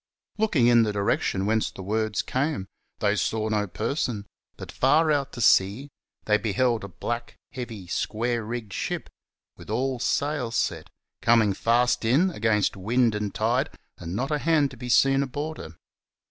Looking in the direction whence the words came, they saw no person ; but far out to sea, they beheld a black, heavy, square rigged ship, with all sail set, coming fast in, against wind and tide, and not a hand to be seen aboard her.